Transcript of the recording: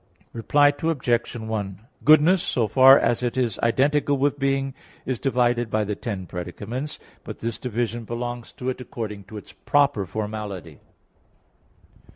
Reply Obj. 1: Goodness, so far as it is identical with being, is divided by the ten predicaments. But this division belongs to it according to its proper formality.